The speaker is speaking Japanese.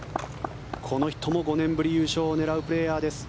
この人も５年ぶりの優勝を狙うプレーヤーです。